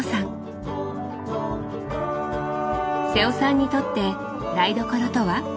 瀬尾さんにとって台所とは？